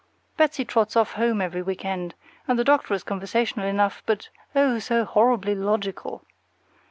Betsy trots off home every week end, and the doctor is conversational enough, but, oh, so horribly logical!